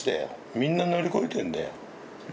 みんな乗り越えてるんだよ。